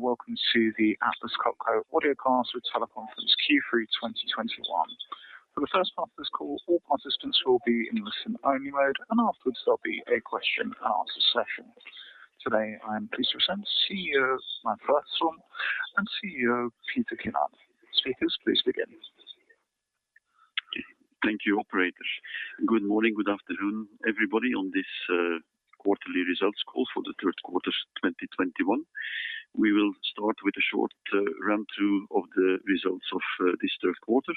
Welcome to the Atlas Copco audiocast with teleconference Q3 2021. For the first part of this call, all participants will be in listen-only mode, and afterwards, there will be a question and answer session. Today, I am pleased to present CEO Mats Rahmström and CEO Peter Kinnart. Speakers, please begin. Thank you, operator. Good morning. Good afternoon, everybody, on this quarterly results call for the third quarter 2021. We will start with a short run through of the results of this third quarter.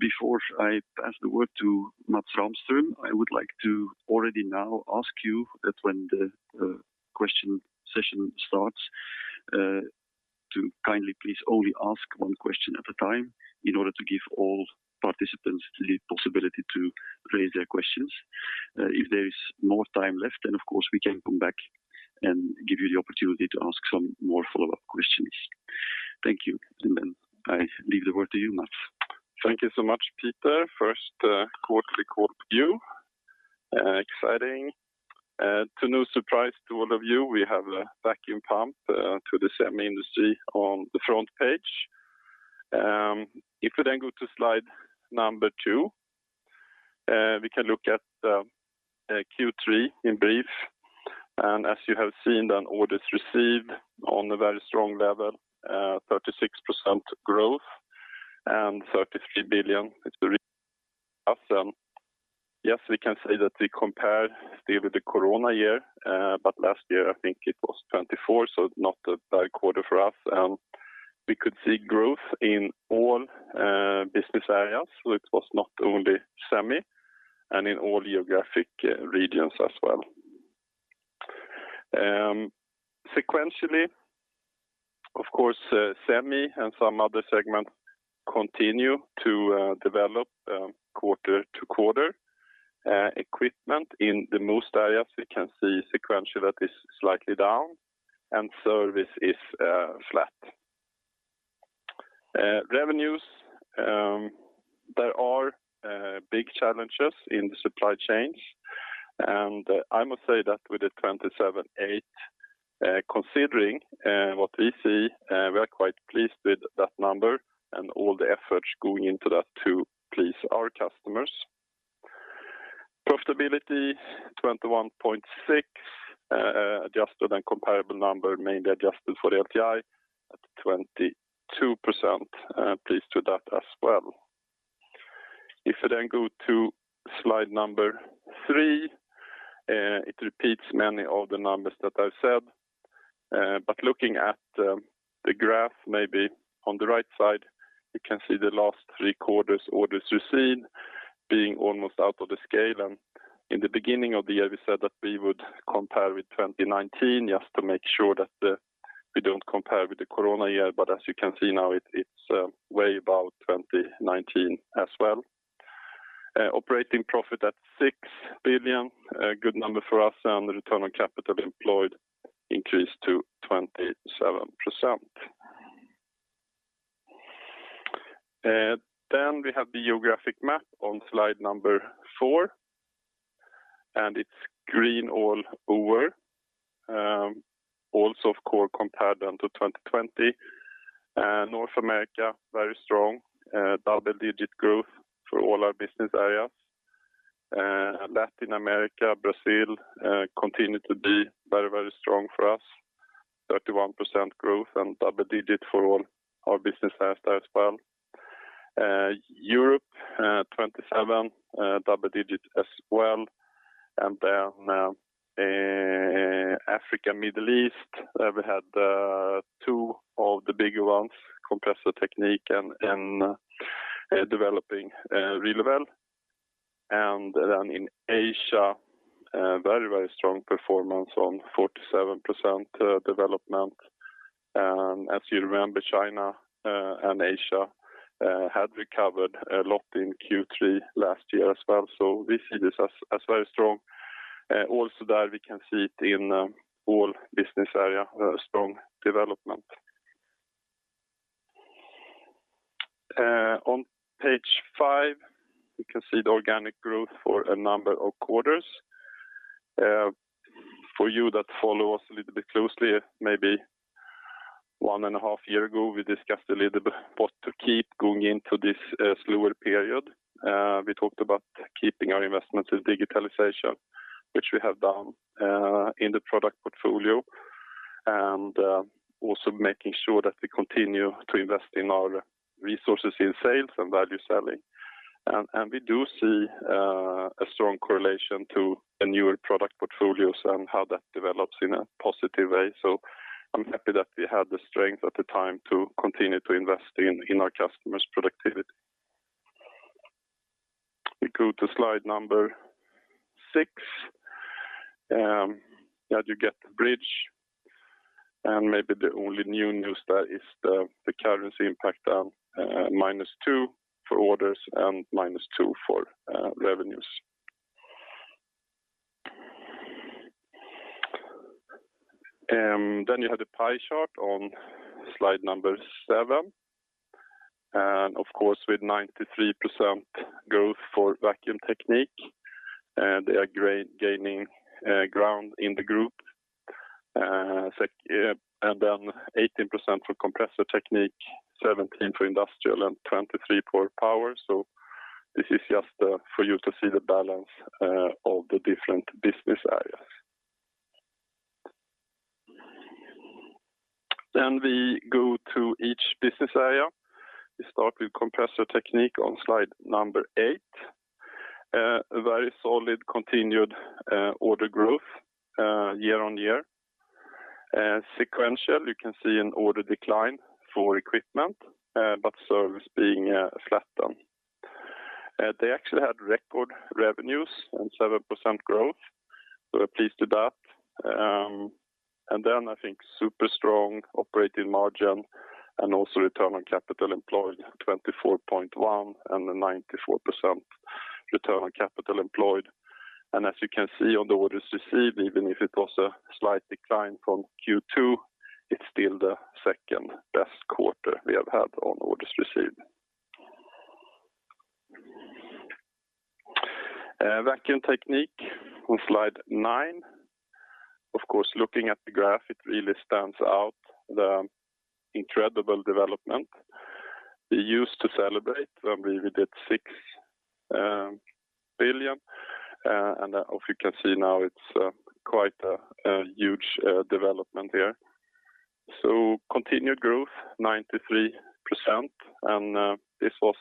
Before I pass the word to Mats Rahmström, I would like to already now ask you that when the question session starts, to kindly please only ask one question at a time in order to give all participants the possibility to raise their questions. If there is more time left, then of course we can come back and give you the opportunity to ask some more follow-up questions. Thank you. I leave the word to you, Mats. Thank you so much, Peter. First, quarterly overview. Exciting. To no surprise to all of you, we have a vacuum pump to the semi industry on the front page. If we go to slide number 2, we can look at Q3 in brief. As you have seen on orders received on a very strong level, 36% growth and 33 billion. It's really awesome. Yes, we can say that we compare still with the COVID year, but last year, I think it was 24%, so not a bad quarter for us. We could see growth in all business areas. It was not only semi and in all geographic regions as well. Sequentially, of course, semi and some other segments continue to develop quarter to quarter. Equipment in the most areas, we can see sequentially that is slightly down and service is flat. Revenues, there are big challenges in the supply chains. I must say that with the 27.8%, considering what we see, we are quite pleased with that number and all the efforts going into that to please our customers. Profitability 21.6%, adjusted and comparable number, mainly adjusted for the LTI at 22%. Pleased with that as well. If you go to slide number 3, it repeats many of the numbers that I've said. Looking at the graph, maybe on the right side, you can see the last 3 quarters orders received being almost out of the scale. In the beginning of the year, we said that we would compare with 2019 just to make sure that we don't compare with the COVID year. As you can see now, it's way above 2019 as well. Operating profit at 6 billion, a good number for us, and the return on capital employed increased to 27%. We have the geographic map on slide 4, and it's green all over. Of course, compared to 2020. North America, very strong, double-digit growth for all our business areas. Latin America, Brazil continue to be very strong for us, 31% growth and double-digit for all our business there as well. Europe, 27%, double-digit as well. Africa, Middle East, we had two of the bigger ones, Compressor Technique and developing really well. In Asia, very strong performance on 47% development. As you remember, China and Asia had recovered a lot in Q3 last year as well. We see this as very strong. There, we can see it in all business area, strong development. On page 5, you can see the organic growth for a number of quarters. For you that follow us a little bit closely, maybe 1.5 years ago, we discussed a little bit what to keep going into this slower period. We talked about keeping our investments in digitalization, which we have done in the product portfolio, and also making sure that we continue to invest in our resources in sales and value selling. We do see a strong correlation to the newer product portfolios and how that develops in a positive way. I am happy that we had the strength at the time to continue to invest in our customers' productivity. We go to slide number 6. There you get the bridge and maybe the only new news there is the currency impact down, -2 for orders and -2 for revenues. You have the pie chart on slide number 7. Of course, with 93% growth for Vacuum Technique, they are gaining ground in the group. 18% for Compressor Technique, 17% for Industrial, and 23% for Power. This is just for you to see the balance of the different business areas. We go to each business area. We start with Compressor Technique on slide number 8. A very solid continued order growth year-on-year. Sequential, you can see an order decline for equipment, but service being flat then. They actually had record revenues and 7% growth. We're pleased with that. I think super strong operating margin and also return on capital employed, 24.1% and a 94% return on capital employed. As you can see on the orders received, even if it was a slight decline from Q2, it's still the second-best quarter we have had on orders received. Vacuum Technique on slide 9. Of course, looking at the graph, it really stands out, the incredible development. We used to celebrate when we did 6 billion, and if you can see now, it's quite a huge development here. Continued growth, 93%, and this was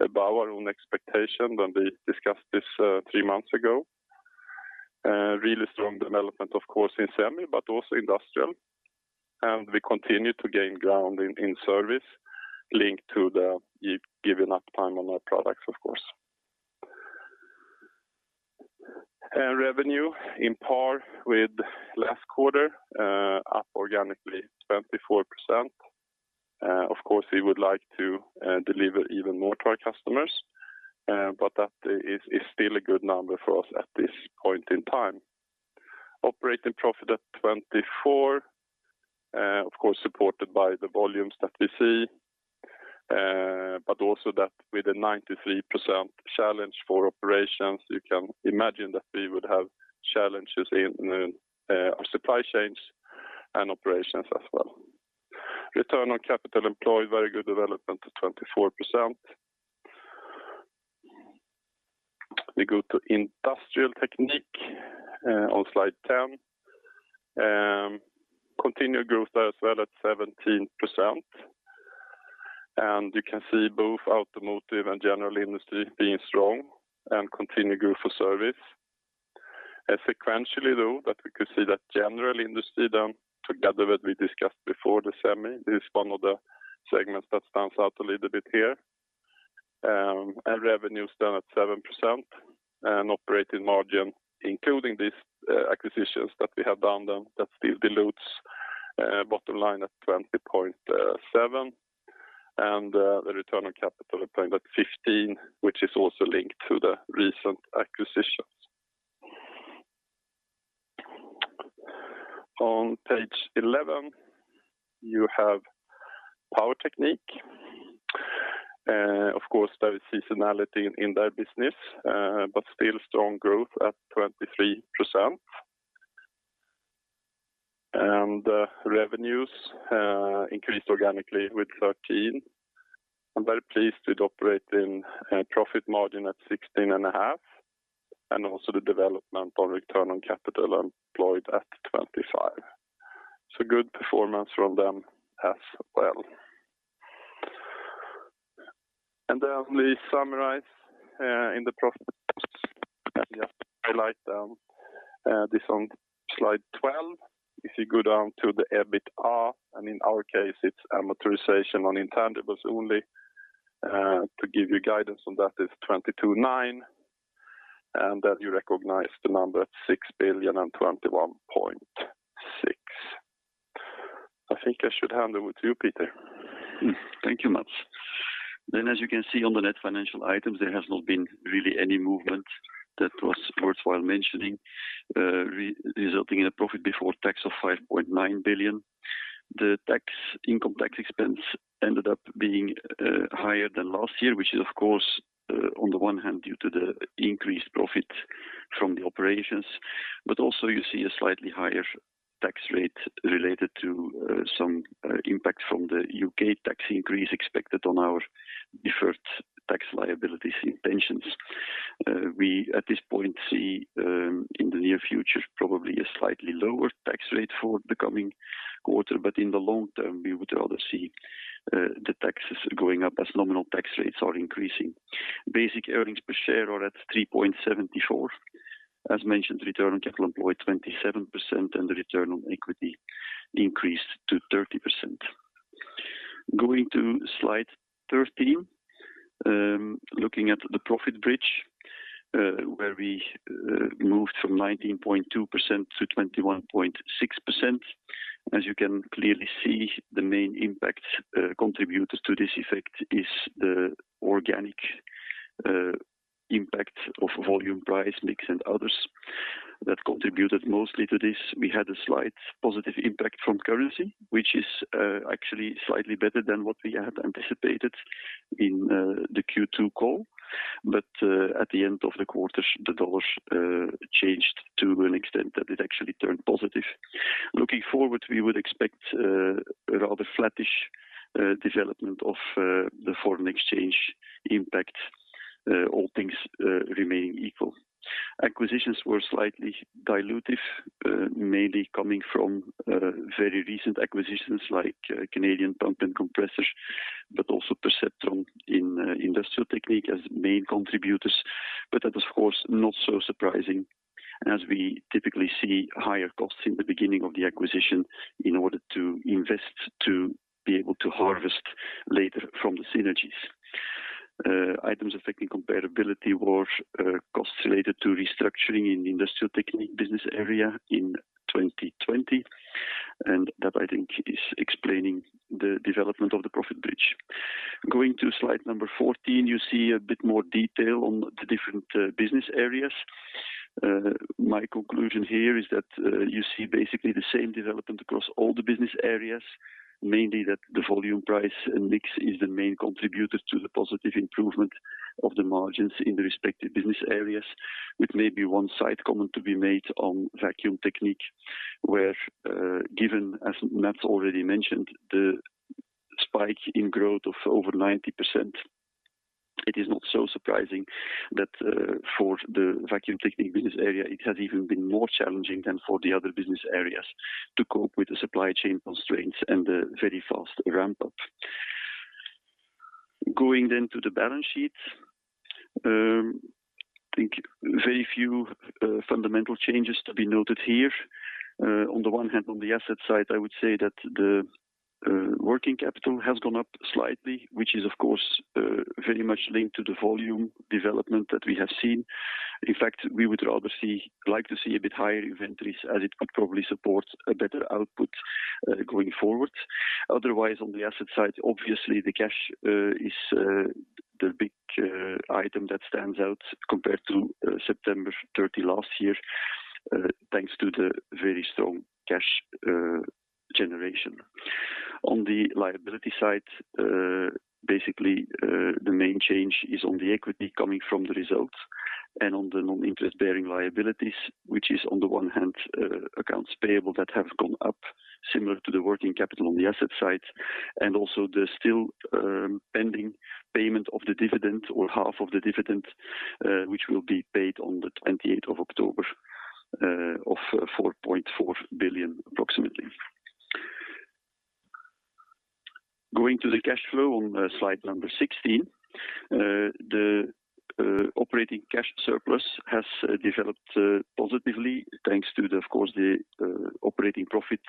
above our own expectation when we discussed this three months ago. Really strong development, of course, in semi, but also industrial. We continue to gain ground in service linked to the given uptime on our products, of course. Revenue in par with last quarter, up organically 24%. Of course, we would like to deliver even more to our customers, but that is still a good number for us at this point in time. Operating profit at 24%, of course, supported by the volumes that we see, but also that with a 93% challenge for operations, you can imagine that we would have challenges in our supply chains and operations as well. Return on capital employed, very good development at 24%. We go to Industrial Technique on slide 10. Continued growth there as well at 17%. You can see both automotive and general industry being strong and continued growth for service. Sequentially, though, that we could see that general industry down together that we discussed before the semi. This is one of the segments that stands out a little bit here. Revenue is down at 7%, and operating margin, including these acquisitions that we have done then, that still dilutes bottom line at 20.7%. The return on capital employed at 15%, which is also linked to the recent acquisitions. On page 11, you have Power Technique. Of course, there is seasonality in their business, but still strong growth at 23%. Revenues increased organically with 13%. I'm very pleased with operating profit margin at 16.5%, and also the development of return on capital employed at 25%. Good performance from them as well. We summarize in the profit just highlight this on slide 12. If you go down to the EBITA, and in our case, it's amortization on intangibles only, to give you guidance on that is 22.9, and that you recognize the number 6.216 billion. I think I should hand over to you, Peter. Thank you, Mats. As you can see on the net financial items, there has not been really any movement that was worthwhile mentioning, resulting in a profit before tax of 5.9 billion. The income tax expense ended up being higher than last year, which is of course on the one hand due to the increased profit from the operations, but also you see a slightly higher tax rate related to some impact from the U.K. tax increase expected on our deferred tax liabilities and pensions. We, at this point, see in the near future probably a slightly lower tax rate for the coming quarter, but in the long term, we would rather see the taxes going up as nominal tax rates are increasing. Basic earnings per share are at 3.74. As mentioned, return on capital employed 27%, and the return on equity increased to 30%. Going to slide 13, looking at the profit bridge, where we moved from 19.2% to 21.6%. As you can clearly see, the main impact contributors to this effect is the organic impact of volume, price, mix, and others. That contributed mostly to this. We had a slight positive impact from currency, which is actually slightly better than what we had anticipated in the Q2 call. At the end of the quarter, the dollars changed to an extent that it actually turned positive. Looking forward, we would expect a rather flattish development of the foreign exchange impact, all things remaining equal. Acquisitions were slightly dilutive, mainly coming from very recent acquisitions like CPC Pumps International Inc., but also Perceptron in Industrial Technique as main contributors. That is, of course, not so surprising, as we typically see higher costs in the beginning of the acquisition in order to invest, to be able to harvest later from the synergies. Items affecting comparability were costs related to restructuring in Industrial Technique Business Area in 2020. That, I think, is explaining the development of the profit bridge. Going to slide number 14, you see a bit more detail on the different business areas. My conclusion here is that you see basically the same development across all the business areas, mainly that the volume price and mix is the main contributor to the positive improvement of the margins in the respective business areas. With maybe one side comment to be made on Vacuum Technique, where given, as Mats already mentioned, the spike in growth of over 90%, it is not so surprising that for the Vacuum Technique business area, it has even been more challenging than for the other business areas to cope with the supply chain constraints and the very fast ramp up. Going then to the balance sheet. I think very few fundamental changes to be noted here. On the one hand, on the asset side, I would say that the working capital has gone up slightly, which is, of course, very much linked to the volume development that we have seen. In fact, we would rather like to see a bit higher inventories as it could probably support a better output going forward. Otherwise, on the asset side, obviously the cash is the big item that stands out compared to September 30 last year, thanks to the very strong cash generation. On the liability side, basically, the main change is on the equity coming from the results and on the non-interest bearing liabilities, which is on the one hand, accounts payable that have gone up similar to the working capital on the asset side, and also the still pending payment of the dividend or half of the dividend, which will be paid on the 28th of October of 4.4 billion approximately. Going to the cash flow on slide number 16. The operating cash surplus has developed positively thanks to, of course, the operating profit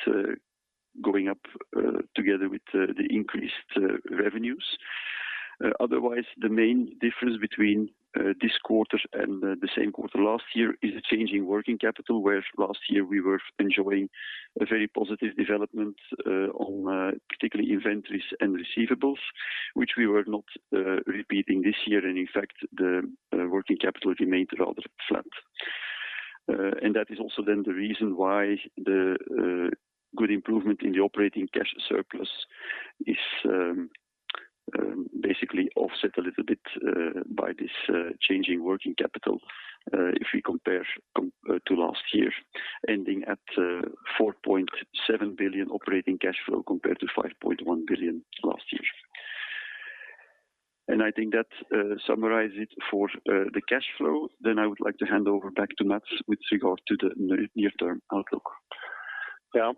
going up together with the increased revenues. Otherwise, the main difference between this quarter and the same quarter last year is a change in working capital, where last year we were enjoying a very positive development on particularly inventories and receivables, which we were not repeating this year. In fact, the working capital remained rather flat. That is also then the reason why the good improvement in the operating cash surplus is basically offset a little bit by this change in working capital, if we compare to last year ending at 4.7 billion operating cash flow compared to 5.1 billion last year. I think that summarizes it for the cash flow. I would like to hand over back to Mats with regard to the near-term outlook. Yeah.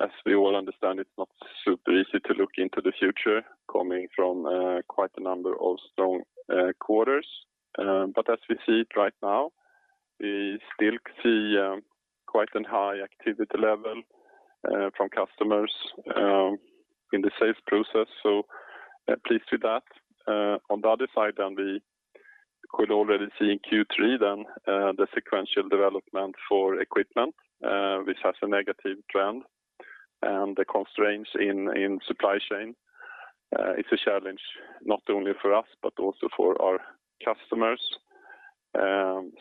As we all understand, it's not super easy to look into the future coming from quite a number of strong quarters. As we see it right now, we still see quite a high activity level from customers in the sales process, so pleased with that. On the other side, then we could already see in Q3 then the sequential development for equipment, which has a negative trend, and the constraints in supply chain. It's a challenge not only for us but also for our customers.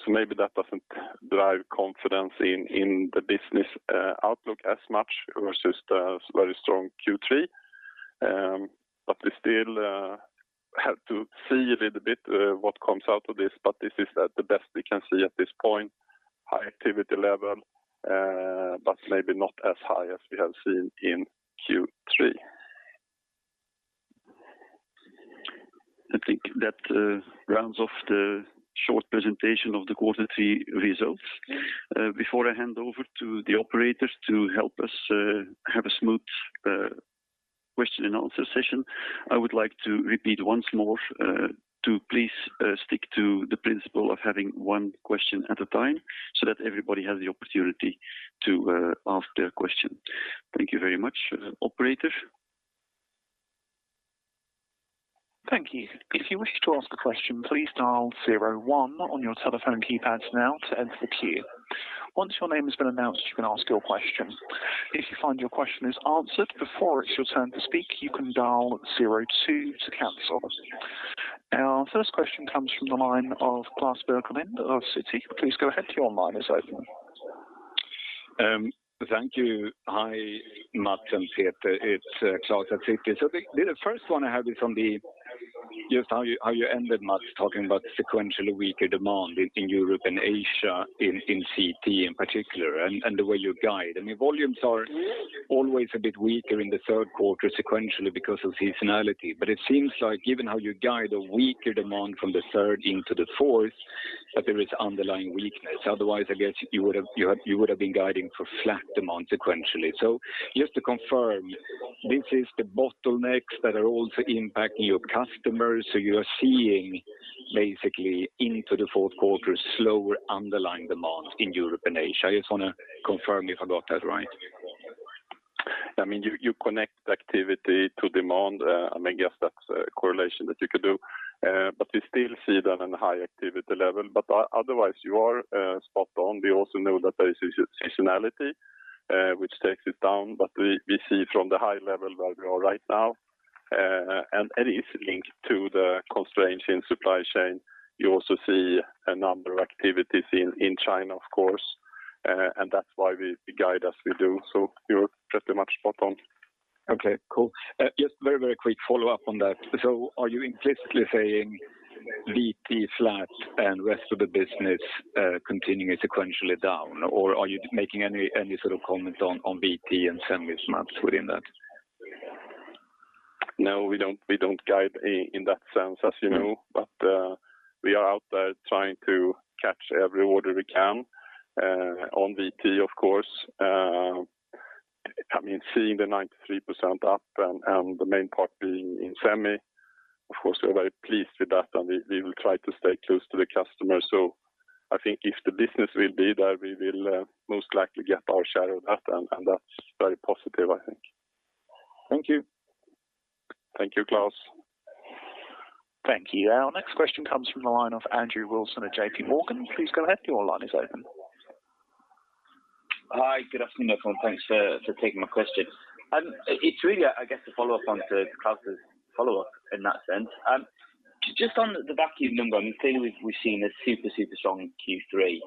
Maybe that doesn't drive confidence in the business outlook as much versus the very strong Q3. We still have to see a little bit what comes out of this. This is the best we can see at this point. High activity level, but maybe not as high as we have seen in Q3. I think that rounds off the short presentation of the quarter 3 results. Before I hand over to the operators to help us have a smooth question and answer session, I would like to repeat once more to please stick to the principle of having 1 question at a time, so that everybody has the opportunity to ask their question. Thank you very much. Operator? Thank you. If you wish to ask a question, please dial zero one on your telephone keypads now to enter the queue. Once your name has been announced, you can ask your question. If you find your question is answered before it's your turn to speak, you can dial zero two to cancel. Our first question comes from the line of Klas Bergelind of Citi. Please go ahead, your line is open. Thank you. Hi, Mats and Peter. It's Klas at Citi. The first one I have is on just how you ended, Mats, talking about sequentially weaker demand in Europe and Asia, in CT in particular, and the way you guide. I mean, volumes are always a bit weaker in the third quarter sequentially because of seasonality, but it seems like given how you guide a weaker demand from the third into the fourth, that there is underlying weakness. Otherwise, I guess you would've been guiding for flat demand sequentially. Just to confirm, this is the bottlenecks that are also impacting your customers, so you are seeing basically into the fourth quarter slower underlying demand in Europe and Asia. I just want to confirm if I got that right. I mean, you connect activity to demand. I guess that's a correlation that you could do. We still see that in a high activity level. Otherwise, you are spot on. We also know that there is a seasonality, which takes it down. We see from the high level where we are right now, and it is linked to the constraints in supply chain. You also see a number of activities in China, of course, and that's why we guide as we do. You're pretty much spot on. Okay, cool. Just very quick follow-up on that. Are you implicitly saying VT flat and rest of the business continuing sequentially down, or are you making any sort of comment on VT and semi, Mats, within that? No, we don't guide in that sense, as you know. We are out there trying to catch every order we can on VT, of course. I mean, seeing the 93% up and the main part being in semi, of course, we are very pleased with that, and we will try to stay close to the customer. I think if the business will be there, we will most likely get our share of that, and that's very positive, I think. Thank you. Thank you, Klas. Thank you. Our next question comes from the line of Andrew Wilson at J.P. Morgan. Please go ahead, your line is open. Hi, good afternoon. Thanks for taking my question. It's really, I guess, a follow-up on to Klas' follow-up in that sense. Just on the vacuum number, I mean, clearly, we've seen a super strong Q3.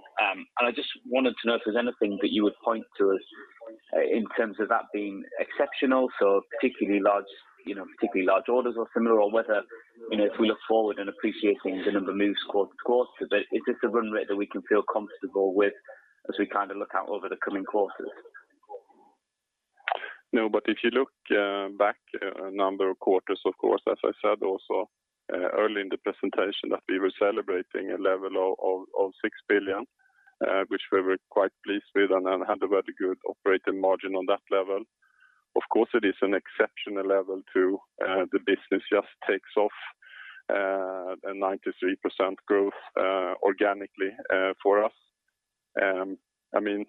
I just wanted to know if there's anything that you would point to us in terms of that being exceptional, so particularly large orders or similar, or whether, if we look forward and appreciating the number moves quarter to quarter, but is this a run rate that we can feel comfortable with as we look out over the coming quarters? No, if you look back a number of quarters, of course, as I said also early in the presentation, that we were celebrating a level of 6 billion, which we were quite pleased with and had a very good operating margin on that level. Of course, it is an exceptional level, too. The business just takes off, a 93% growth organically for us. I mean,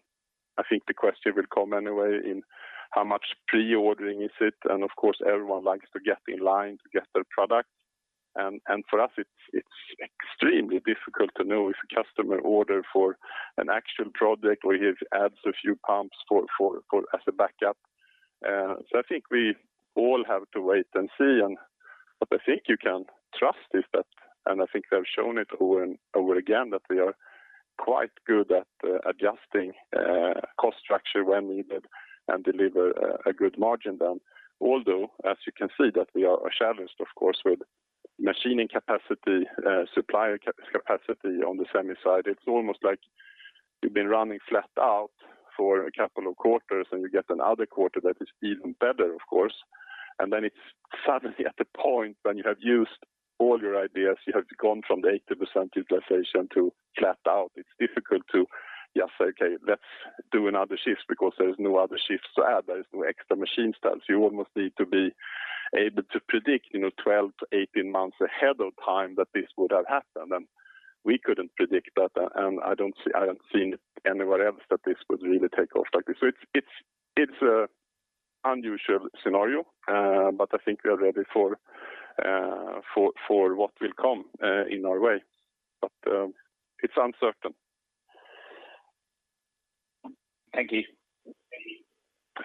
I think the question will come anyway in how much pre-ordering is it, and of course, everyone likes to get in line to get their product. For us, it's extremely difficult to know if a customer order for an actual project or he adds a few pumps as a backup. I think we all have to wait and see, but I think you can trust us that, and I think they've shown it over and over again, that we are quite good at adjusting cost structure when needed and deliver a good margin then. Although, as you can see that we are challenged, of course, with machining capacity, supplier capacity on the semi side. It's almost like you've been running flat out for a couple of quarters and you get another quarter that is even better, of course, and then it's suddenly at the point when you have used all your ideas, you have gone from the 80% utilization to flat out. It's difficult to just say, "Okay, let's do another shift," because there's no other shifts to add. There is no extra machine staff. You almost need to be able to predict 12 to 18 months ahead of time that this would have happened, and we couldn't predict that, and I haven't seen anywhere else that this would really take off like this. it's a unusual scenario, but I think we are ready for what will come in our way. it's uncertain. Thank you.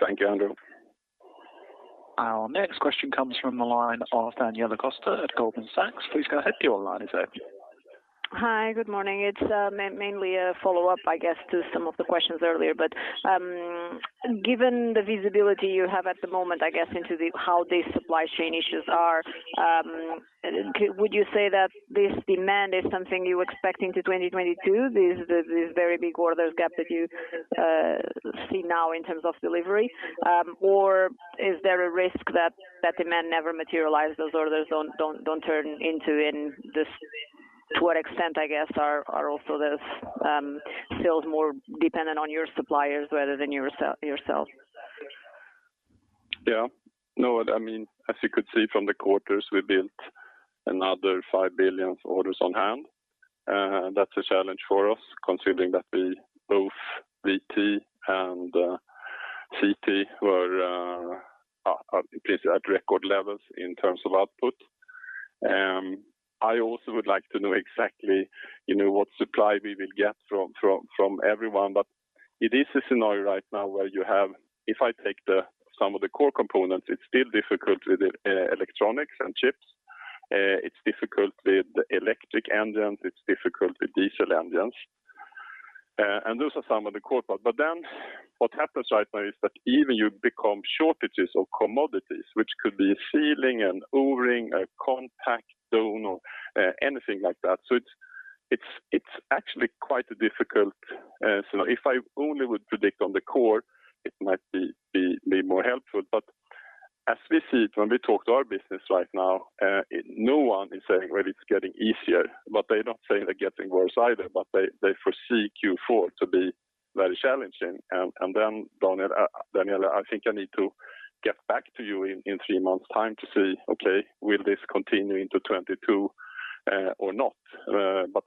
Thank you, Andrew. Our next question comes from the line of Daniela Costa at Goldman Sachs. Please go ahead, your line is open. Hi, good morning. It's mainly a follow-up, I guess, to some of the questions earlier. Given the visibility you have at the moment, I guess, into how the supply chain issues are, would you say that this demand is something you're expecting to 2022, this very big orders gap that you see now in terms of delivery? Is there a risk that demand never materialize, those orders don't turn into in this? To what extent, I guess, are also those still more dependent on your suppliers rather than yourselves? Yeah. No, I mean, as you could see from the quarters, we built another 5 billion of orders on hand. That's a challenge for us considering that both VT and CT were basically at record levels in terms of output. I also would like to know exactly what supply we will get from everyone. It is a scenario right now where you have, if I take some of the core components, it's still difficult with the electronics and chips. It's difficult with the electric engines, it's difficult with diesel engines. Those are some of the core parts. What happens right now is that even you become shortages of commodities, which could be a sealing, an O-ring, a contactor or anything like that. It's actually quite difficult. If I only would predict on the core, it might be more helpful. As we see it when we talk to our business right now, no one is saying whether it's getting easier, but they don't say they're getting worse either. they foresee Q4 to be very challenging. Daniela, I think I need to get back to you in three months time to see, okay, will this continue into '22 or not?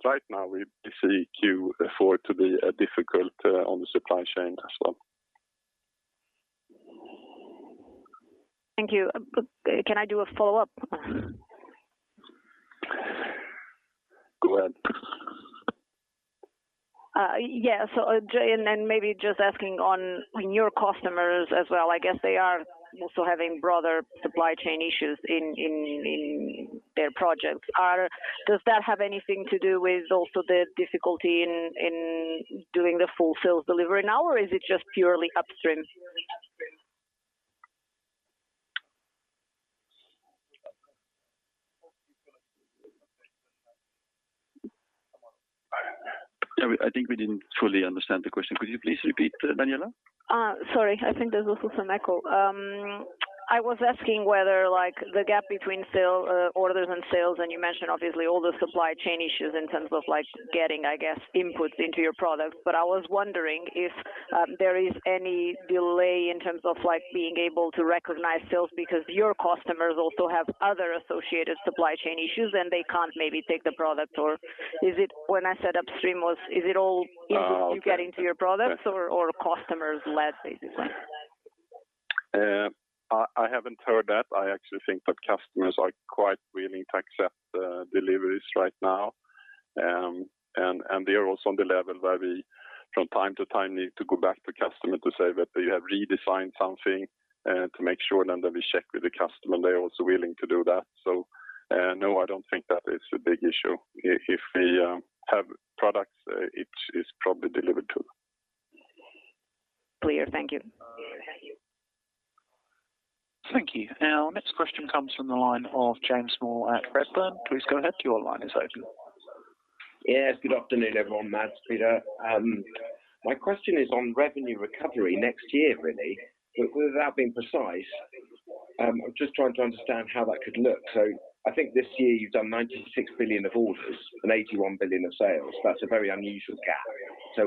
right now we see Q4 to be difficult on the supply chain as well. Thank you. Can I do a follow-up? Go ahead. Yeah. Maybe just asking on your customers as well, I guess they are also having broader supply chain issues in their projects. Does that have anything to do with also the difficulty in doing the full sales delivery now, or is it just purely upstream? Yeah, I think we didn't fully understand the question. Could you please repeat, Daniela? Sorry, I think there's also some echo. I was asking whether the gap between orders and sales, and you mentioned obviously all the supply chain issues in terms of getting, I guess, inputs into your product. I was wondering if there is any delay in terms of being able to recognize sales because your customers also have other associated supply chain issues and they can't maybe take the product. When I said upstream, is it all input you get into your products or customers led, basically? I haven't heard that. I actually think that customers are quite willing to accept deliveries right now. They are also on the level where we, from time to time, need to go back to customer to say that we have redesigned something, to make sure then that we check with the customer. They're also willing to do that. No, I don't think that is a big issue. If we have products, it's probably delivered to them. Clear. Thank you. Thank you. Our next question comes from the line of James Moore at Redburn. Please go ahead. Your line is open. Yes, good afternoon, everyone. Mats, Peter. My question is on revenue recovery next year, really. Without being precise, I'm just trying to understand how that could look. I think this year you've done 96 billion of orders and 81 billion of sales. That's a very unusual gap.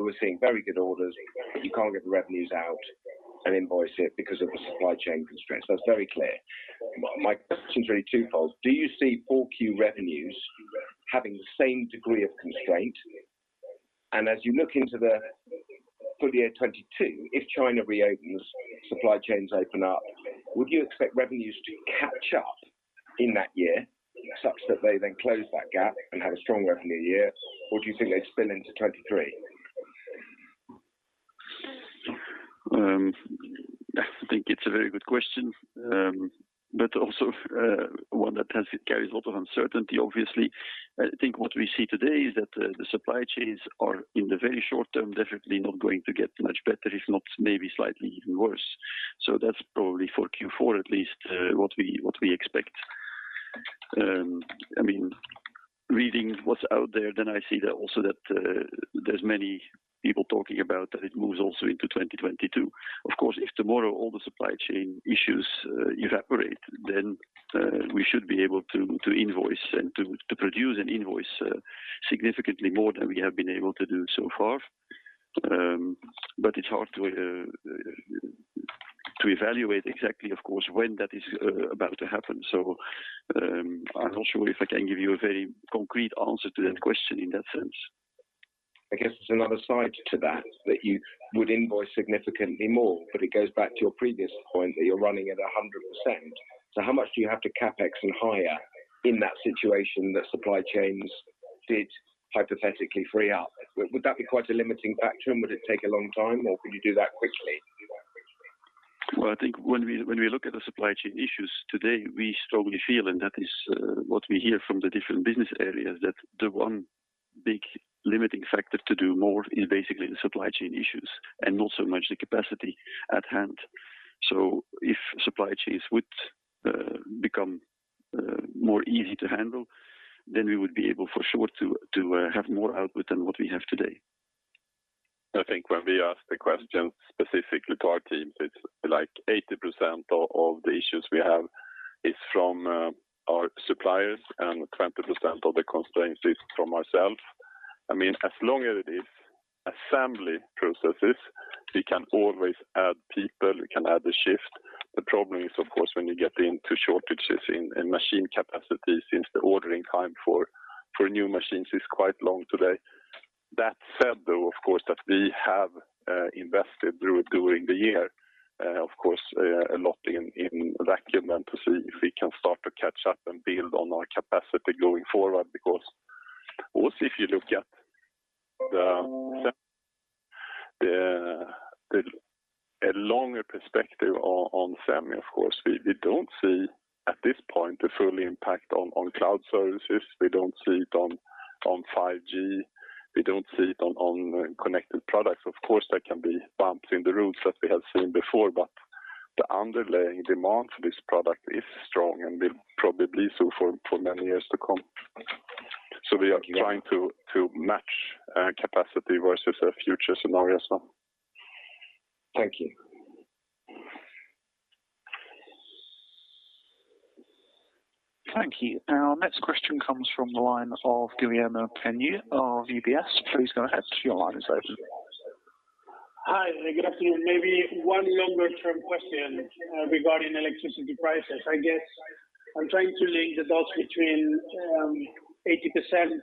We're seeing very good orders, but you can't get the revenues out and invoice it because of the supply chain constraints. That's very clear. My question is really twofold. Do you see full Q revenues having the same degree of constraint? As you look into the full year 2022, if China reopens, supply chains open up, would you expect revenues to catch up in that year such that they then close that gap and have a strong revenue year? Do you think they spin into 2023? I think it's a very good question. Also one that carries a lot of uncertainty, obviously. I think what we see today is that the supply chains are, in the very short term, definitely not going to get much better, if not maybe slightly even worse. That's probably for Q4 at least, what we expect. Reading what's out there, then I see that also that there's many people talking about that it moves also into 2022. Of course, if tomorrow all the supply chain issues evaporate, then we should be able to invoice and to produce an invoice significantly more than we have been able to do so far. It's hard to evaluate exactly, of course, when that is about to happen. I'm not sure if I can give you a very concrete answer to that question in that sense. I guess there's another side to that you would invoice significantly more, but it goes back to your previous point that you're running at 100%. How much do you have to CapEx and hire in that situation that supply chains did hypothetically free up? Would that be quite a limiting factor and would it take a long time or could you do that quickly? Well, I think when we look at the supply chain issues today, we strongly feel, and that is what we hear from the different business areas, that the one big limiting factor to do more is basically the supply chain issues and not so much the capacity at hand. If supply chains would become more easy to handle, then we would be able for sure to have more output than what we have today. I think when we ask the question specifically to our teams, it's like 80% of the issues we have is from our suppliers and 20% of the constraints is from ourselves. As long as it is assembly processes, we can always add people, we can add a shift. The problem is, of course, when you get into shortages in machine capacity, since the ordering time for new machines is quite long today. That said, though, of course, that we have invested during the year, of course, a lot in Vacuum to see if we can start to catch up and build on our capacity going forward. Because also if you look at a longer perspective on semi, of course, we don't see at this point the full impact on cloud services. We don't see it on 5G. We don't see it on connected products. Of course, there can be bumps in the roads that we have seen before, but the underlying demand for this product is strong and will probably be so for many years to come. We are trying to match capacity versus a future scenario as well. Thank you. Thank you. Our next question comes from the line of Guillermo Peigneux of UBS. Please go ahead. Your line is open. Hi, good afternoon. Maybe one longer-term question regarding electricity prices. I guess I'm trying to link the dots between 80%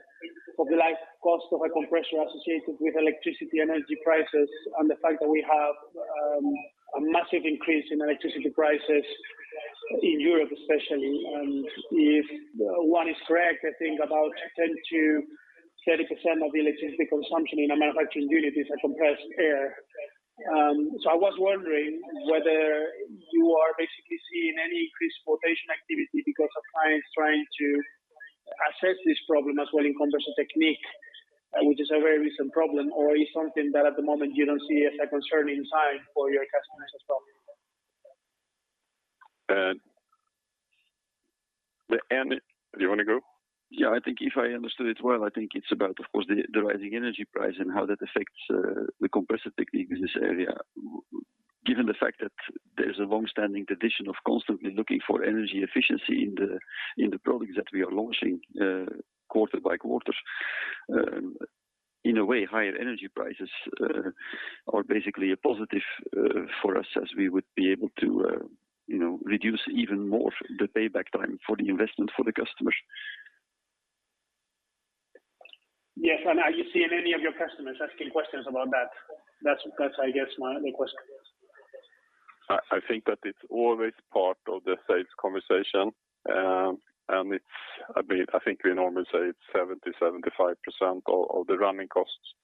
of the life cost of a compressor associated with electricity energy prices and the fact that we have a massive increase in electricity prices in Europe especially. If one is correct, I think about 10%-30% of the electricity consumption in manufacturing units is compressed air. I was wondering whether you are basically seeing any increased quotation activity because of clients trying to assess this problem as well in Compressor Technique, which is a very recent problem, or is something that at the moment you don't see as a concerning sign for your customers as well? Do you want to go? Yeah, I think if I understood it well, I think it's about, of course, the rising energy price and how that affects the Compressor Technique business area. Given the fact that there's a long-standing tradition of constantly looking for energy efficiency in the products that we are launching quarter by quarter, in a way, higher energy prices are basically a positive for us as we would be able to reduce even more the payback time for the investment for the customers. Yes. Are you seeing any of your customers asking questions about that? That's I guess my only question. I think that it's always part of the sales conversation. I think we normally say it's 70%-75% of the running costs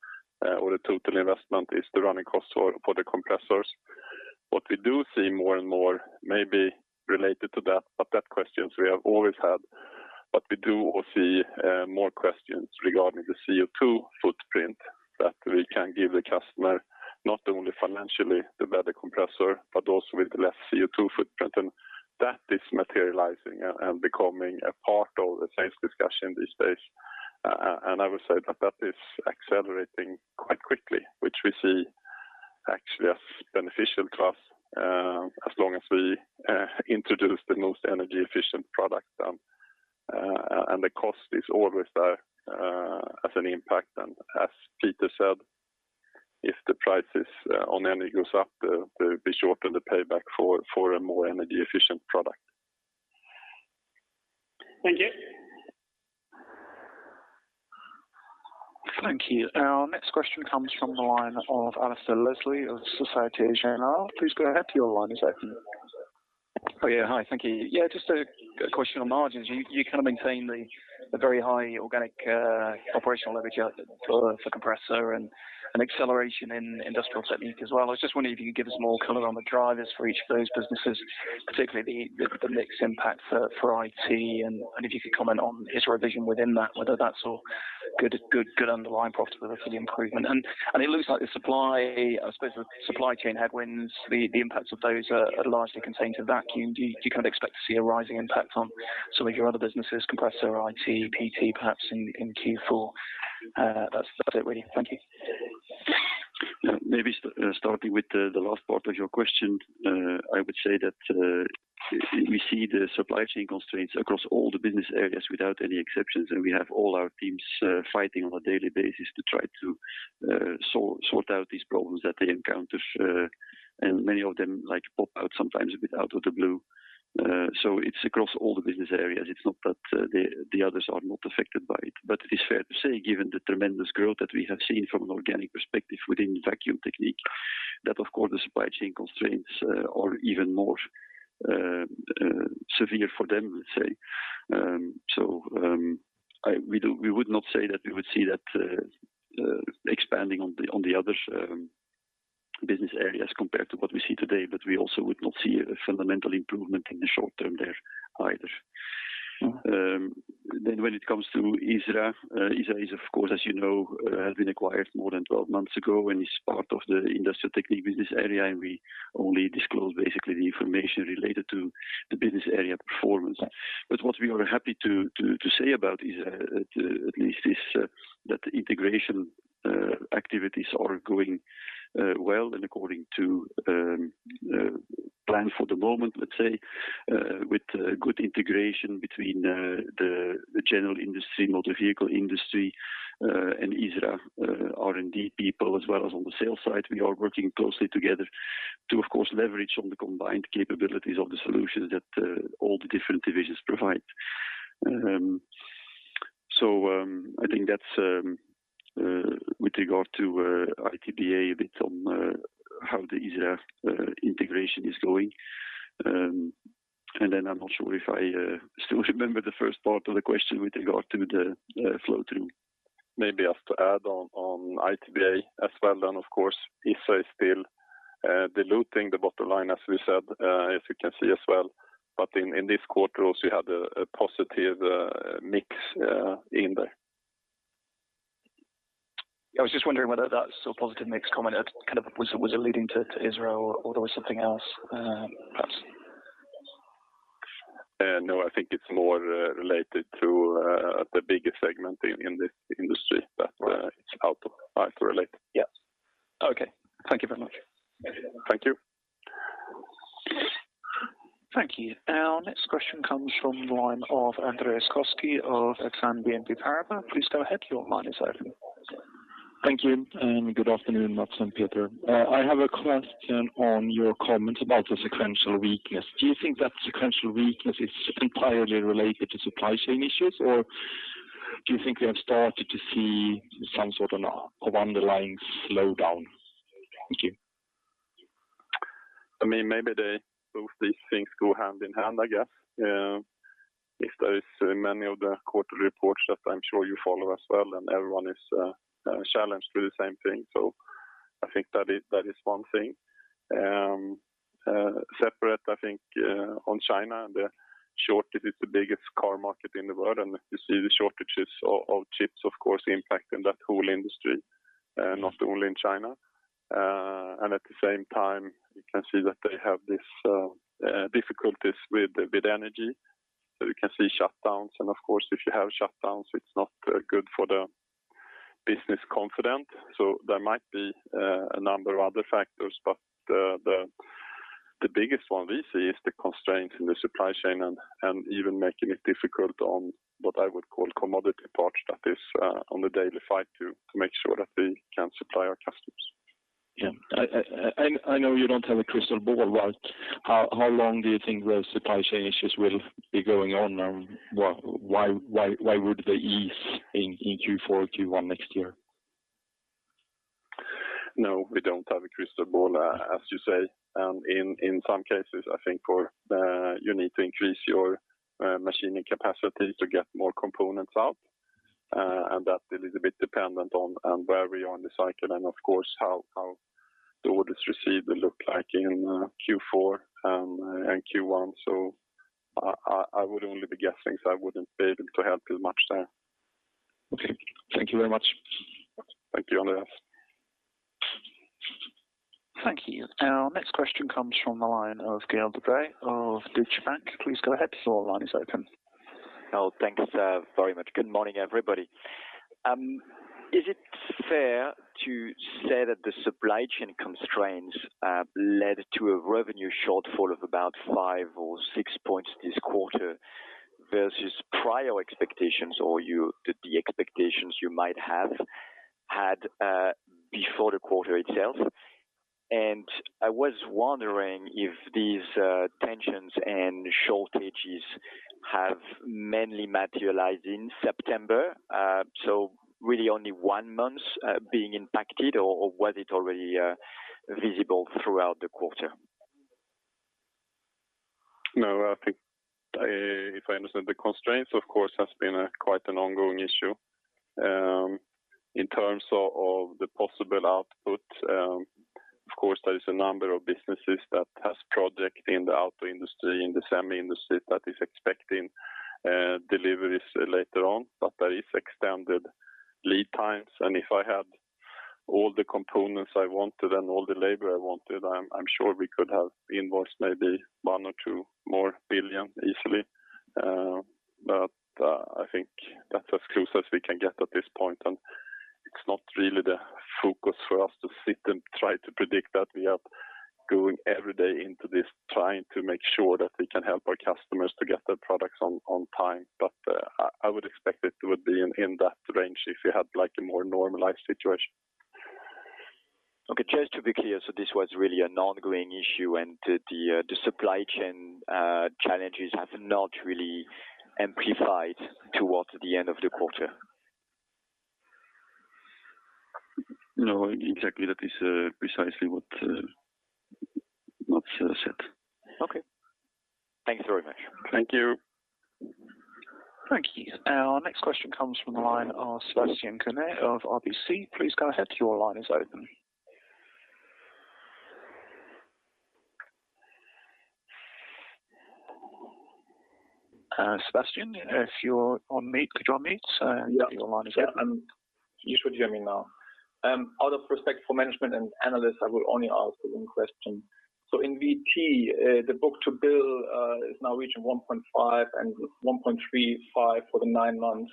or the total investment is the running costs for the compressors. What we do see more and more may be related to that, but that questions we have always had, but we do all see more questions regarding the CO2 footprint that we can give the customer not only financially the better compressor, but also with less CO2 footprint. That is materializing and becoming a part of the sales discussion these days. I would say that that is accelerating quite quickly, which we see actually as beneficial to us, as long as we introduce the most energy efficient product. The cost is always there, as an impact. As Peter said, if the prices on energy goes up, there will be shorter the payback for a more energy efficient product. Thank you. Thank you. Our next question comes from the line of Alasdair Leslie of Société Générale. Please go ahead. Your line is open. Oh, yeah. Hi. Thank you. Yeah, just a question on margins. You kind of maintain the very high organic operational leverage for Compressor and acceleration in Industrial Technique as well. I was just wondering if you could give us more color on the drivers for each of those businesses, particularly the mix impact for IT, and if you could comment on ISRA VISION within that, whether that's all good underlying profitability improvement. It looks like the supply, I suppose, the supply chain headwinds, the impacts of those are largely contained to Vacuum. Do you kind of expect to see a rising impact on some of your other businesses, Compressor, IT, PT, perhaps in Q4? That's it, really. Thank you. Maybe starting with the last part of your question, I would say that we see the supply chain constraints across all the business areas without any exceptions. We have all our teams fighting on a daily basis to try to sort out these problems that they encounter. Many of them pop out sometimes a bit out of the blue. It's across all the business areas. It's not that the others are not affected by it. It is fair to say, given the tremendous growth that we have seen from an organic perspective within Vacuum Technique, that of course the supply chain constraints are even more severe for them, let's say. We would not say that we would see that expanding on the other business areas compared to what we see today, but we also would not see a fundamental improvement in the short term there either. When it comes to ISRA is of course, as you know, has been acquired more than 12 months ago and is part of the Industrial Technique business area, and we only disclose basically the information related to the business area performance. What we are happy to say about ISRA at least is that the integration activities are going well and according to plan for the moment, let's say, with good integration between the general industry, motor vehicle industry, and ISRA R&D people, as well as on the sales side. We are working closely together to, of course, leverage on the combined capabilities of the solutions that all the different divisions provide. I think that's with regard to ITBA, a bit on how the ISRA integration is going. I'm not sure if I still remember the first part of the question with regard to the flow-through. Maybe I have to add on ITBA as well, and of course, ISRA is still diluting the bottom line, as we said, as you can see as well. in this quarter also, you have a positive mix in there. I was just wondering whether that positive mix comment, was it leading to ISRA or there was something else perhaps? No, I think it's more related to the biggest segment in the industry that it's auto related. Yes. Okay. Thank you very much. Thank you. Thank you. Our next question comes from the line of Andreas Koski of Exane BNP Paribas. Please go ahead. Your line is open. Thank you, and good afternoon, Mats and Peter. I have a question on your comments about the sequential weakness. Do you think that sequential weakness is entirely related to supply chain issues, or do you think we have started to see some sort of underlying slowdown? Thank you. Maybe both these things go hand in hand, I guess. If there is many of the quarterly reports that I'm sure you follow as well and everyone is challenged through the same thing. I think that is one thing. Separate, I think on China, the shortage is the biggest car market in the world, and you see the shortages of chips, of course, impacting that whole industry, not only in China. At the same time, you can see that they have these difficulties with energy. You can see shutdowns, and of course, if you have shutdowns, it's not good for the business confident. There might be a number of other factors, but the biggest one we see is the constraints in the supply chain and even making it difficult on what I would call commodity parts. That is on the daily fight to make sure that we can supply our customers. Yeah. I know you don't have a crystal ball, but how long do you think those supply chain issues will be going on? Why would they ease in Q4, Q1 next year? No, we don't have a crystal ball, as you say. In some cases, I think you need to increase your machining capacity to get more components out, and that is a bit dependent on where we are in the cycle and of course, how the orders received look like in Q4 and Q1. I would only be guessing, so I wouldn't be able to help you much there. Okay. Thank you very much. Thank you, Andreas. Thank you. Our next question comes from the line of Gael de Bray of Deutsche Bank. Please go ahead. Your line is open. Oh, thanks very much. Good morning, everybody. Is it fair to say that the supply chain constraints led to a revenue shortfall of about 5 or 6 points this quarter versus prior expectations, or the expectations you might have had before the quarter itself? I was wondering if these tensions and shortages have mainly materialized in September. Really only one month being impacted or was it already visible throughout the quarter? I think if I understand the constraints, of course, has been quite an ongoing issue. In terms of the possible output, of course, there is a number of businesses that has project in the auto industry, in the semi industry that is expecting deliveries later on, but there is extended lead times, and if I had all the components I wanted and all the labor I wanted, I'm sure we could have invoiced maybe 1 billion or 2 billion easily. I think that's as close as we can get at this point, and it's not really the focus for us to sit and try to predict that. We are going every day into this trying to make sure that we can help our customers to get their products on time. I would expect it would be in that range if you had a more normalized situation. Okay. Just to be clear, so this was really an ongoing issue, and the supply chain challenges have not really amplified towards the end of the quarter? No, exactly. That is precisely what Mats said. Okay. Thank you very much. Thank you. Thank you. Our next question comes from the line of Sebastian Kuenne of RBC. Please go ahead. Your line is open. Sebastian, if you're on mute, could you unmute? Your line is open. Yeah. You should hear me now. Out of respect for management and analysts, I will only ask one question. In VT, the book-to-bill is now reaching 1.5 and 1.35 for the nine months.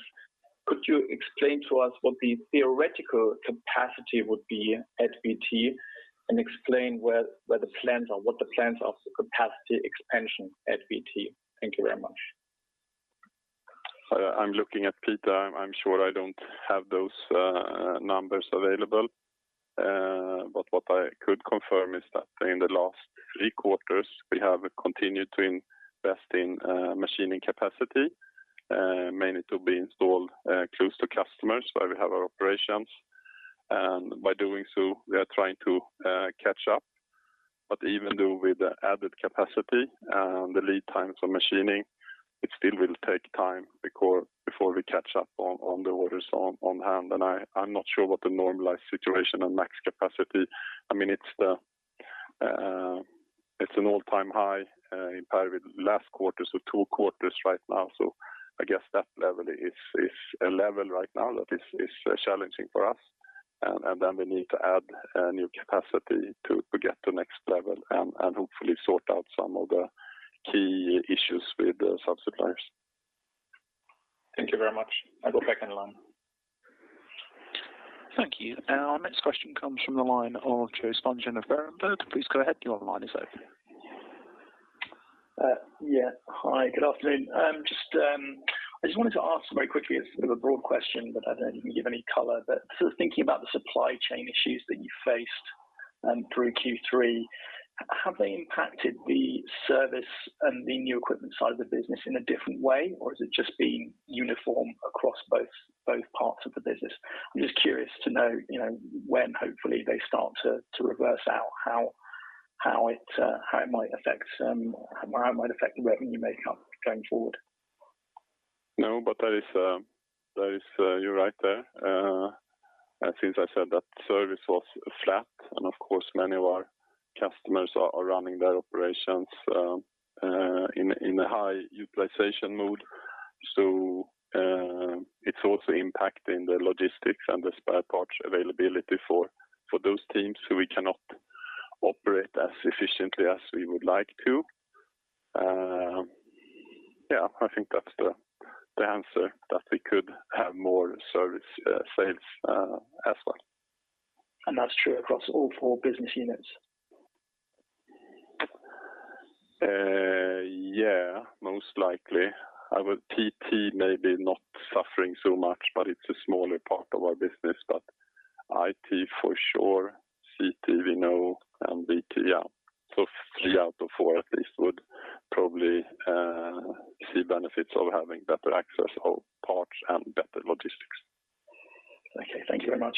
Could you explain to us what the theoretical capacity would be at VT and explain where the plans are, what the plans are for capacity expansion at VT? Thank you very much. I'm looking at Peter. I'm sure I don't have those numbers available. But what I could confirm is that in the last 3 quarters, we have continued to invest in machining capacity, mainly to be installed close to customers where we have our operations. By doing so, we are trying to catch up. Even though with the added capacity, the lead times for machining, it still will take time before we catch up on the orders on hand. I'm not sure what the normalized situation and max capacity. It's an all-time high in probably last quarter, so 2 quarters right now. I guess that level is a level right now that is challenging for us. Then we need to add a new capacity to get to next level and hopefully sort out some of the key issues with the suppliers. Thank you very much. I go back in the line. Thank you. Our next question comes from the line of Joel Spungin of Berenberg. Please go ahead. Your line is open. Yeah. Hi, good afternoon. I just wanted to ask very quickly, it's a bit of a broad question, but I don't know if you can give any color, but thinking about the supply chain issues that you faced through Q3, have they impacted the service and the new equipment side of the business in a different way, or has it just been uniform across both parts of the business? I'm just curious to know, when hopefully they start to reverse out, how it might affect the revenue makeup going forward. No, you're right there. Since I said that service was flat, of course, many of our customers are running their operations in a high utilization mode. It's also impacting the logistics and the spare parts availability for those teams who we cannot operate as efficiently as we would like to. Yeah, I think that's the answer, that we could have more service sales as well. That's true across all four business units? Yeah, most likely. With PT maybe not suffering so much, but it's a smaller part of our business. IT for sure, CT we know, and VT, yeah. 3 out of 4 at least would probably see benefits of having better access of parts and better logistics. Okay. Thank you very much.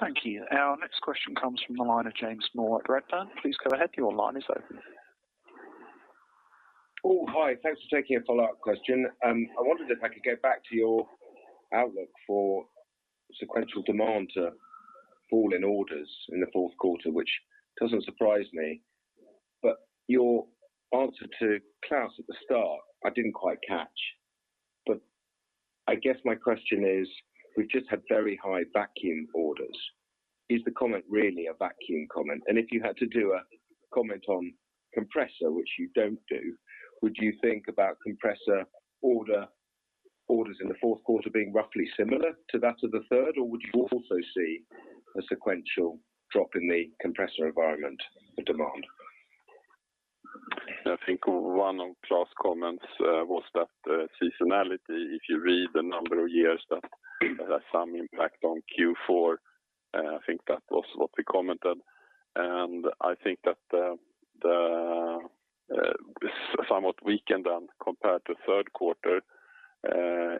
Thank you. Our next question comes from the line of James Moore at Redburn. Please go ahead. Your line is open. Oh, hi. Thanks for taking a follow-up question. I wondered if I could go back to your outlook for sequential demand to fall in orders in the fourth quarter, which doesn't surprise me. your answer to Klas at the start, I didn't quite catch. I guess my question is, we've just had very high vacuum orders. Is the comment really a vacuum comment? if you had to do a comment on compressor, which you don't do, would you think about compressor orders in the fourth quarter being roughly similar to that of the third, or would you also see a sequential drop in the compressor environment for demand? I think one of Klas' comments was that seasonality, if you read the number of years, that has some impact on Q4. I think that was what we commented. I think that the somewhat weakened compared to third quarter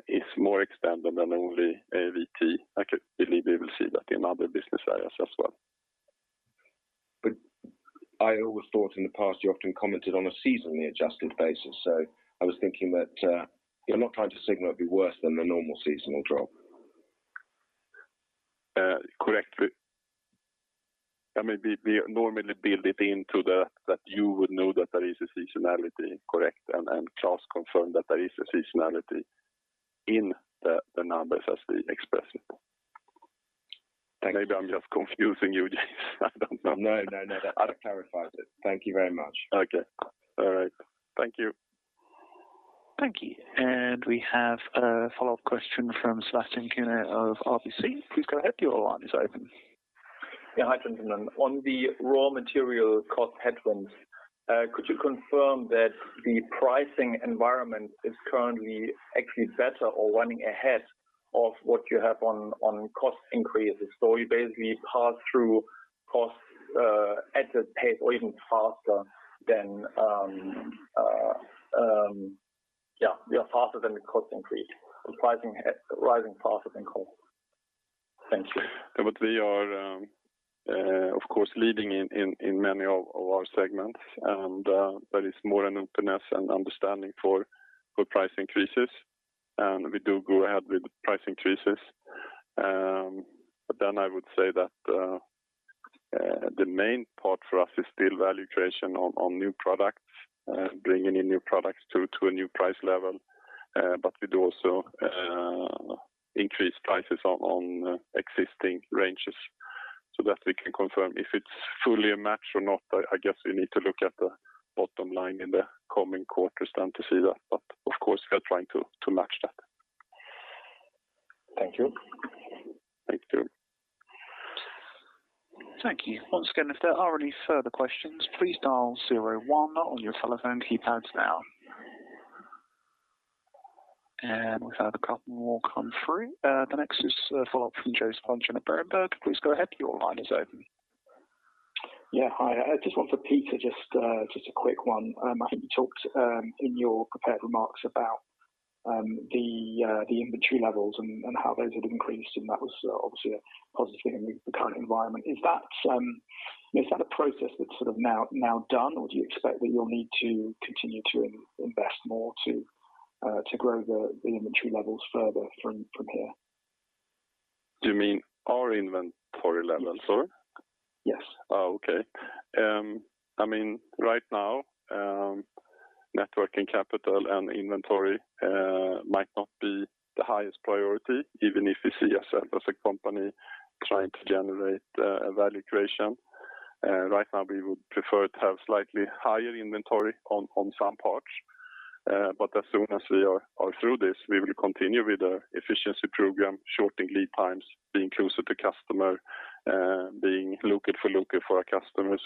is more expanded than only VT. I could believe we will see that in other business areas as well. I always thought in the past, you often commented on a seasonally adjusted basis. I was thinking that you're not trying to signal it'd be worse than the normal seasonal drop. Correct. We normally build it into that you would know that there is a seasonality. Correct, and Klas Bergelind confirmed that there is a seasonality in the numbers as we express it. Thank you. Maybe I'm just confusing you, James. I don't know. No, that clarifies it. Thank you very much. Okay. All right. Thank you. Thank you. We have a follow-up question from Sebastian Kuenne of RBC. Please go ahead. Your line is open. Yeah. Hi, Trond. On the raw material cost headwinds, could you confirm that the pricing environment is currently actually better or running ahead of what you have on cost increases? You basically pass through costs at a pace or even faster than the cost increase, pricing rising faster than cost. Thank you. We are, of course, leading in many of our segments, and there is more an openness and understanding for price increases. We do go ahead with price increases. I would say that the main part for us is still value creation on new products, bringing in new products to a new price level. We do also increase prices on existing ranges, so that we can confirm. If it's fully a match or not, I guess we need to look at the bottom line in the coming quarters then to see that. Of course, we are trying to match that. Thank you. Thank you. Thank you. Once again, if there are any further questions, please dial 01 on your telephone keypads now. We've had a couple more come through. The next is a follow-up from Joel Spungin at Berenberg. Please go ahead. Your line is open. Yeah. Hi. I just one for Peter, just a quick one. I think you talked in your prepared remarks about the inventory levels and how those had increased, and that was obviously a positive thing in the current environment. Is that a process that's now done, or do you expect that you'll need to continue to invest more to grow the inventory levels further from here? Do you mean our inventory levels? Yes. Oh, okay. Right now, net working capital and inventory might not be the highest priority, even if you see us as a company trying to generate value creation. Right now, we would prefer to have slightly higher inventory on some parts. As soon as we are through this, we will continue with the efficiency program, shortening lead times, being closer to customer, being local for local for our customers.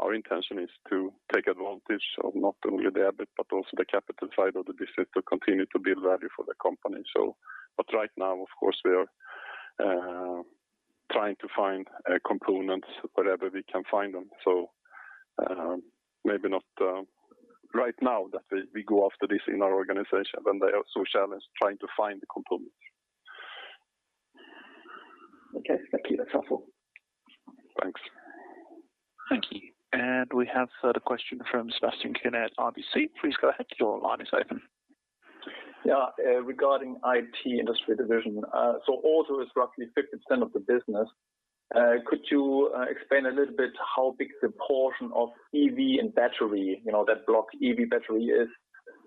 Our intention is to take advantage of not only the EBIT but also the capital side of the business to continue to build value for the company. Right now, of course, we are trying to find components wherever we can find them. Maybe not right now that we go after this in our organization when they are so challenged trying to find the components. Okay. Thank you. That's helpful. Thanks. Thank you. We have the question from Sebastian Kuenne at RBC. Please go ahead. Your line is open. Yeah. Regarding IT industry division, so Auto is roughly 50% of the business. Could you explain a little bit how big the portion of EV and battery, that block EV battery is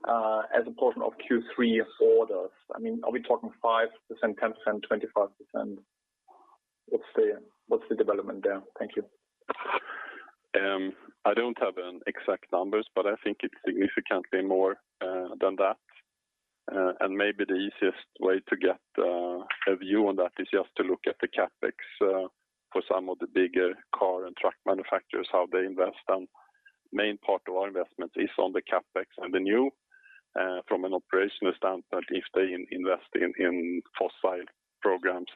as a portion of Q3 orders? Are we talking 5%, 10%, 25%? What's the development there? Thank you. I don't have an exact numbers, but I think it's significantly more than that. Maybe the easiest way to get a view on that is just to look at the CapEx for some of the bigger car and truck manufacturers, how they invest, and main part of our investment is on the CapEx. The new from an operational standpoint, if they invest in fossil programs,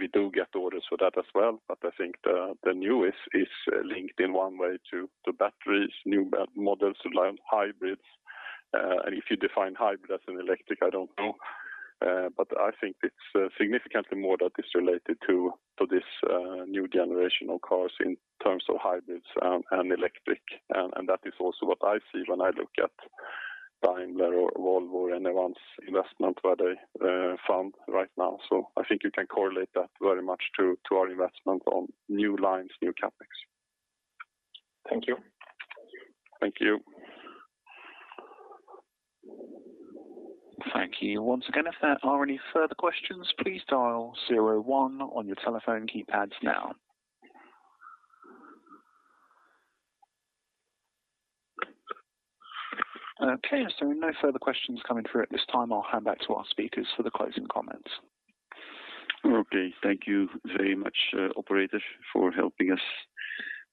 we do get orders for that as well, but I think the new is linked in one way to batteries, new models like hybrids. If you define hybrid as an electric, I don't know. I think it's significantly more that is related to this new generation of cars in terms of hybrids and electric. That is also what I see when I look at Daimler or Volvo or anyone's investment where they fund right now. I think you can correlate that very much to our investment on new lines, new CapEx. Thank you. Thank you. Thank you. Once again, if there are any further questions, please dial 01 on your telephone keypads now. Okay, as there are no further questions coming through at this time, I'll hand back to our speakers for the closing comments. Okay. Thank you very much, operator, for helping us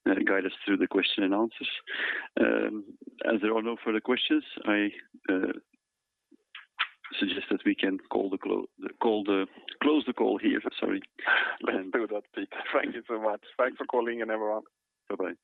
and guide us through the question and answers. As there are no further questions, I suggest that we can close the call here. Sorry. Let's do that, Pete. Thank you so much. Thanks for calling in, everyone. Bye-bye.